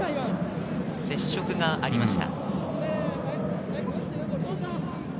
接触がありました。